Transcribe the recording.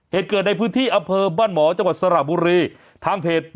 เหตุเกิดในพื้นที่อำเภอบ้านหมอจังหวัดสระบุรีทางเพจ